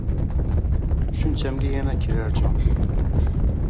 Tushunchamga yana kirar jon.